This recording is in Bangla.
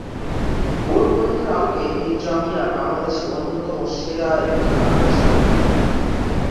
বোর্ড পরীক্ষার আলোকে এই জামিয়া বাংলাদেশের অন্যতম সেরা একটি মাদ্রাসা।